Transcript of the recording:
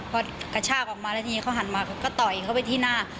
พอกระชากออกมาแล้วทีนี้เขาหันมาเขาก็ต่อยเข้าไปที่หน้า